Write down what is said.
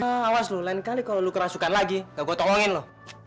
awas lu lain kali kalo lu kerasukan lagi gak gua tolongin lu